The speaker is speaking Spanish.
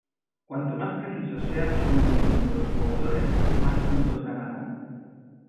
Cuanto más precisos sean los movimientos de los jugadores, más puntos ganarán.